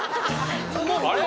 あれ？